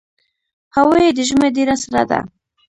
هوا یې د ژمي ډېره سړه ده.